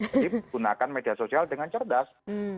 jadi gunakan media sosial dengan cerdas